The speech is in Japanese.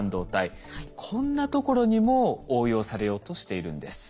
こんなところにも応用されようとしているんです。